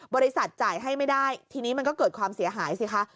บริษัทจ่ายให้ไม่ได้ทีนี้มันก็เกิดความเสียหายสิคะ